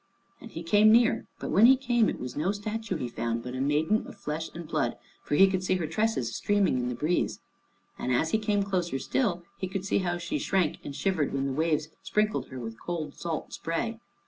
And he came near, but when he came it was no statue he found, but a maiden of flesh and blood, for he could see her tresses streaming in the breeze. And as he came closer still, he could see how she shrank and shivered when the waves sprinkled her with cold salt spray.